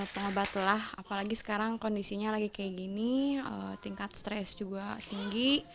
pengobat lah apalagi sekarang kondisinya lagi kayak gini tingkat stres juga tinggi